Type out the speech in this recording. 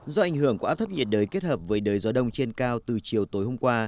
do ảnh hưởng của áp thấp nhiệt đới kết hợp với đới gió đông trên cao từ chiều tối hôm qua